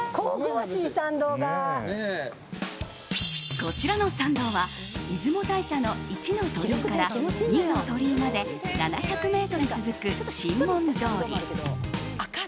こちらの参道は出雲大社の一の鳥居から二の鳥居まで７００ｍ続く神門通り。